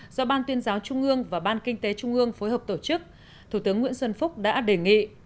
do ban tuyên giáo trung ương và ban kinh tế trung ương phối hợp tổ chức thủ tướng nguyễn xuân phúc đã đề nghị